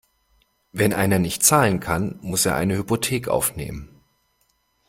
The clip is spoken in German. Wenn einer nicht zahlen kann, muss er eine Hypothek aufnehmen.